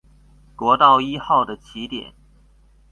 國道一號的起點